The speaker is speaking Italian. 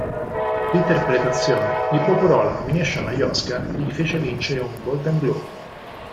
L'interpretazione gli procurò la nomination agli Oscar e gli fece vincere un Golden Globe.